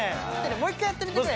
もう１回やってみてくれ。